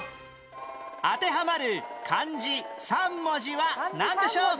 当てはまる漢字３文字はなんでしょう？